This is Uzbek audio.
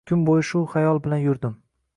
Kun bo`yi shu xayol bilan yurdim